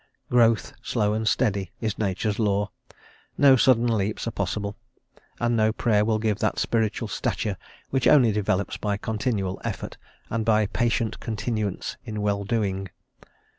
Growth, slow and steady, is Nature's law; no sudden leaps are possible; and no Prayer will give that spiritual stature which only develops by continual effort, and by "patient continuance in well doing."